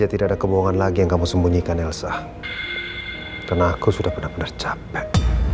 hai tidak ada kebohongan lagi yang kamu sembunyikan elsa karena aku sudah benar benar capek